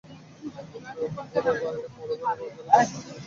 ভোরে বারইয়ারহাট পৌর বাজারে বাস থেকে নেমে অটোরিকশায় করে বাড়িতে যাচ্ছিলেন তাঁরা।